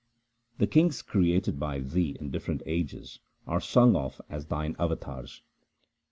1 The kings created by Thee in different ages are sung of as Thine avatars.